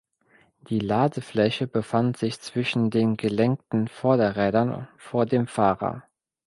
Die Ladefläche befand sich zwischen den gelenkten Vorderrädern vor dem Fahrer.